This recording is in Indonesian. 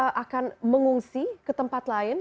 apakah akan mengungsi ke tempat lain